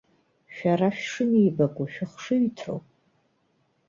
Шәара шәшынеибаку шәыхшыҩҭроуп!